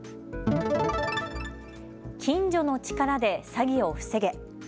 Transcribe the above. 近所の力で詐欺を防げ。